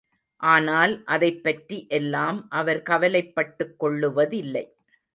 ஆனால் அதைப் பற்றி எல்லாம் அவர் கவலைப்பட்டுக்கொள்ளுவதில்லை.